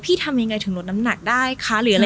พี่ทำยังไงถึงลดน้ำหนักได้คะ